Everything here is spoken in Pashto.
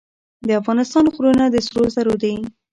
د افغانستان غرونه د سرو زرو دي